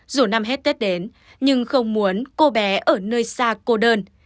dù năm hết tết đến nhưng không muốn cô bé ở nơi xa cô đơn